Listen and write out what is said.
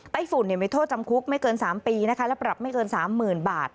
ไต้ฝุ่นโทษจำคุกไม่เกิน๓ปีและปรับไม่เกิน๓๐๐๐๐บาท